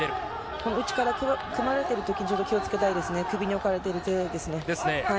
この内から組まれているとき、気をつけたいですね、首に置かれている手ですね。